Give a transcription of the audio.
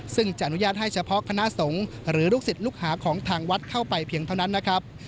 ซึ่งจะอนุญาตให้เฉพาะคณะสงฆ์หรือลูกศิษย์ลูกหาของทางวัดเข้าไปเพียงเท่านั้นนะครับ